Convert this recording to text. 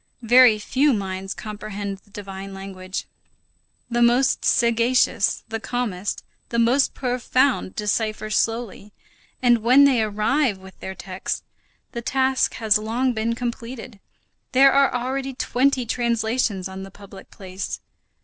Very few minds comprehend the divine language. The most sagacious, the calmest, the most profound, decipher slowly, and when they arrive with their text, the task has long been completed; there are already twenty translations on the public place.